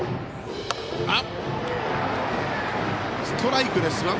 ストライクです。